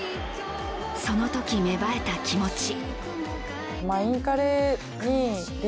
そのとき芽生えた気持ち。